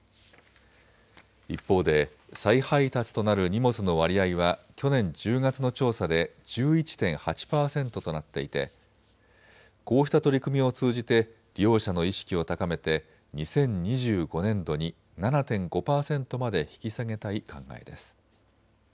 一方で再配達となる荷物の割合は去年１０月の調査で１１．８％となっていてこうした取り組みを通じて利用者の意識を高めて２０２５年度に７．５％まで引き下げたい考えです。